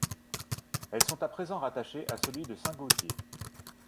Elles sont a présent rattachées à celui de Saint-Gaultier.